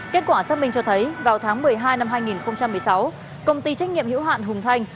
kết quả xác minh cho thấy vào tháng một mươi hai năm hai nghìn một mươi sáu công ty trách nhiệm hữu hạn hùng thanh